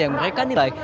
yang mereka nilai